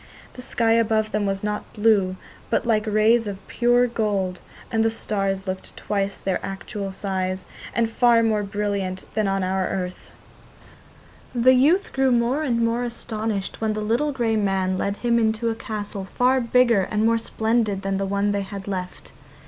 The sky above them was not blue, but like rays of pure gold, and the stars looked twice their usual size, and far more brilliant than on our earth. The youth grew more and more astonished when the little grey man led him into a castle far bigger and more splendid than the one they had left.